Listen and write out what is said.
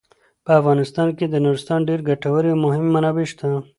په افغانستان کې د نورستان ډیرې ګټورې او مهمې منابع شته.